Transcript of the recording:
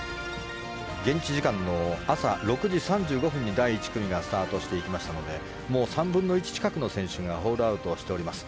現地時間の朝６時３５分に第１組がスタートしていきましたのでもう３分の１近くの選手がホールアウトしております。